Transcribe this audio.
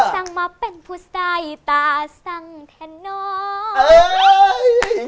สั่งมาเป็นผู้ใส่ตาสั่งแทนน้อย